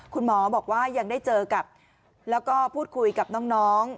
คุณหมอบอกว่ายังได้เจอกับแล้วก็พูดคุยกับน้อง